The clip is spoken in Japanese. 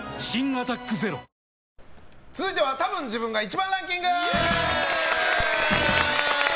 「アタックＺＥＲＯ」続いてはたぶん自分が１番ランキング！